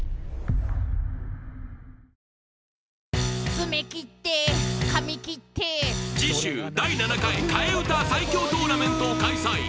爪切って髪切って次週第７回替え歌最強トーナメントを開催